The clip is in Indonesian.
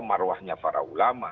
marwahnya para ulama